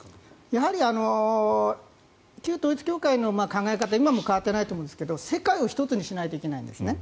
やはり旧統一教会の考え方は今も変わっていないと思うんですが世界を一つにしないといけないんですね。